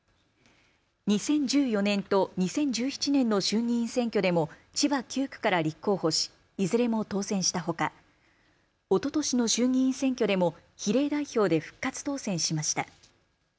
２０１４年と２０１７年の衆議院選挙でも千葉９区から立候補し、いずれも当選したほかおととしの衆議院選挙でも比例代表で復活当選しました。